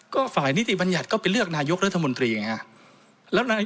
ก็ฝ่ายนิติบัญญัติก็ไปเลือกนายกรัฐมนตรีไงฮะ